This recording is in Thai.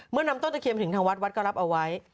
นำต้นตะเคียนมาถึงทางวัดวัดก็รับเอาไว้